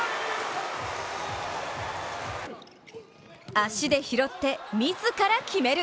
足で拾って、自ら決める！